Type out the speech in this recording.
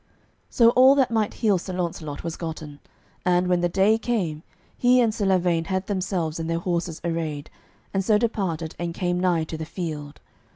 So all that might heal Sir Launcelot was gotten, and, when the day came, he and Sir Lavaine had themselves and their horses arrayed, and so departed and came nigh to the field.